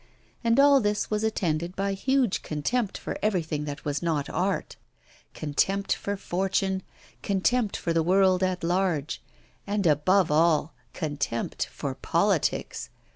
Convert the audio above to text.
And all this was attended by huge contempt for everything that was not art contempt for fortune, contempt for the world at large, and, above all, contempt for politics.